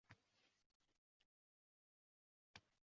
U qizaloqni kuchib chetga yetakladi, kiyimlarini qoqa boshladi.